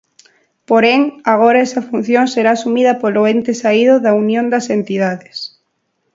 Porén, agora esa función será asumida polo ente saído da unión das entidades.